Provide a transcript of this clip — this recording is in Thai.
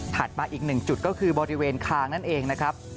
มาอีกหนึ่งจุดก็คือบริเวณคางนั่นเองนะครับ